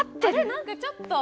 何かちょっと。